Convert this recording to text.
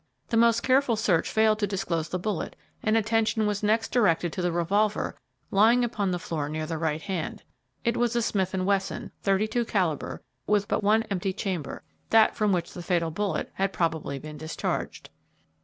The most careful search failed to disclose the bullet, and attention was next directed to the revolver lying upon the floor near the right hand. It was a Smith & Wesson, thirty two calibre, with but one empty chamber, that from which the fatal bullet had probably been discharged.